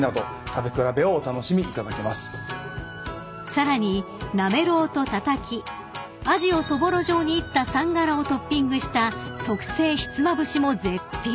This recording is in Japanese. ［さらになめろうとたたきアジをそぼろ状にいったさんがらをトッピングした特製ひつまぶしも絶品］